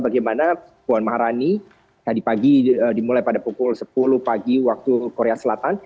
bagaimana puan maharani tadi pagi dimulai pada pukul sepuluh pagi waktu korea selatan